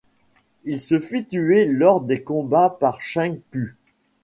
Il se fit tué lors des combats par Cheng Pu.